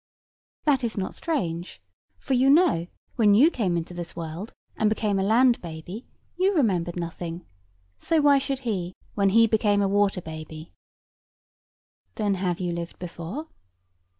That is not strange: for you know, when you came into this world, and became a land baby, you remembered nothing. So why should he, when he became a water baby? Then have you lived before?